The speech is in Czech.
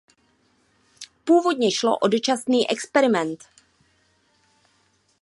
Původně šlo o dočasný experiment.